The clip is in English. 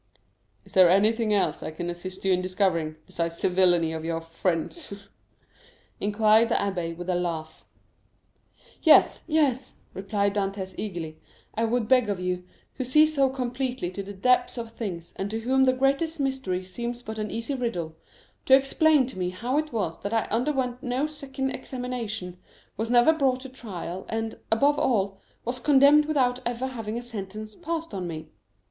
"Is there anything else I can assist you in discovering, besides the villany of your friends?" inquired the abbé with a laugh. "Yes, yes," replied Dantès eagerly; "I would beg of you, who see so completely to the depths of things, and to whom the greatest mystery seems but an easy riddle, to explain to me how it was that I underwent no second examination, was never brought to trial, and, above all, was condemned without ever having had sentence passed on me?"